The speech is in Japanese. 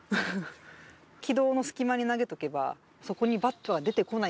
軌道の隙間に投げとけば、そこにバットは出てこない。